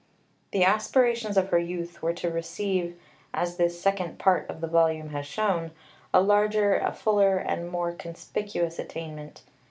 The aspirations of her youth were to receive, as this second Part of the volume has shown, a larger, a fuller, and a more conspicuous attainment.